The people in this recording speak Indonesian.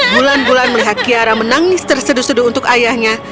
bulan bulan melihat kiara menangis terseduh seduh untuk ayahnya